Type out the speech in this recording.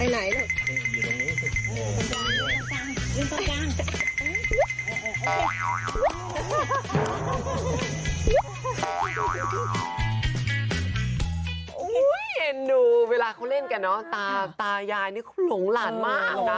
เห็นเอ็นดูเวลาเขาเล่นกันเนอะตาตายายนี่เขาหลงหลานมากนะ